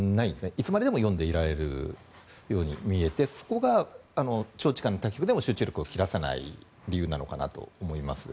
いつまででも読んでいられるように見えてそこが長時間の対局でも集中力を切らさない理由なのかと思います。